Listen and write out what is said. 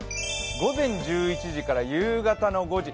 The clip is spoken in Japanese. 午前１１から夕方の５時。